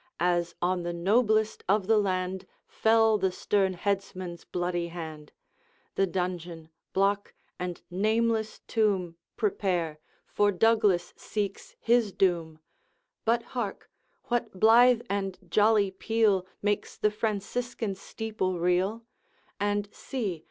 As on the noblest of the land Fell the stern headsmen's bloody hand, The dungeon, block, and nameless tomb Prepare for Douglas seeks his doom! But hark! what blithe and jolly peal Makes the Franciscan steeple reel? And see!